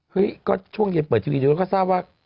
เฮ้ยก็ช่วงที่เปิดทีวีดีโอเขาก็ทราบว่า